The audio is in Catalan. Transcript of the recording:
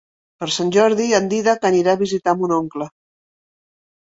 Per Sant Jordi en Dídac anirà a visitar mon oncle.